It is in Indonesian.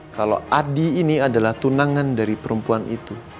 kalau adi ini adalah tunangan dari perempuan itu